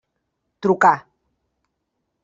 Trucà.